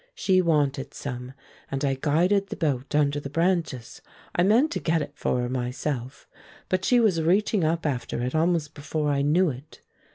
She wanted some, and I guided the boat under the branches. I meant to get it for her myself, but she was reaching up after it almost before I knew it.